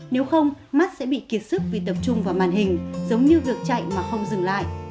nếu không mắt sẽ bị kiệt sức vì tập trung vào màn hình giống như việc chạy mà không dừng lại